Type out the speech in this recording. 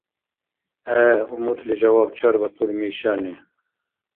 — ГӀе! — умутли жаваб чарбатур Мишани.